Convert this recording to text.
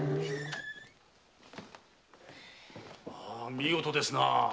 見事ですなあ！